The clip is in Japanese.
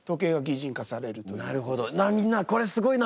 なあみんなこれすごいな。